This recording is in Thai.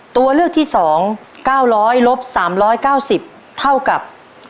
ตัวเลือกที่๒๙๐๐ลบ๓๙๐เท่ากับ